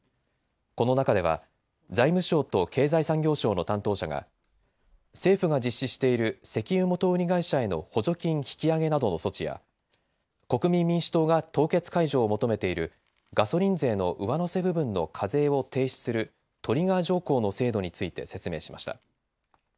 この中では、財務省と経済産業省の担当者が、政府が実施している石油元売り会社への補助金引き上げなどの措置や、国民民主党が凍結解除を求めているガソリン税の上乗せ部分の課税を停止するトリガー条項の制度について説明しました。